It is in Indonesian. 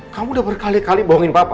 kamu udah berkali kali bohongin bapak